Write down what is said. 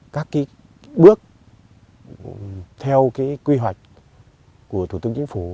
các bước theo quy hoạch của tổ tướng chính phủ